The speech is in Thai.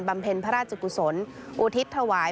เพ็ญพระราชกุศลอุทิศถวาย